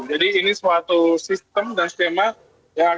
jadi ini suatu sistem dan tema yang akan kita tingkatkan